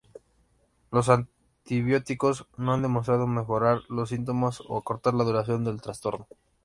Los antibióticos no han demostrado mejorar los síntomas o acortar la duración del trastorno.